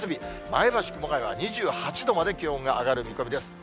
前橋、熊谷は２８度まで気温が上がる見込みです。